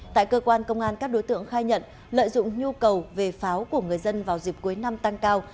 tại cơ quan công an các đối tượng khai nhận lợi dụng nhu cầu về pháo của người dân vào dịp cuối năm tăng cao